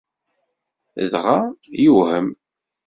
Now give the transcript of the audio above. Dɣa, iwhem!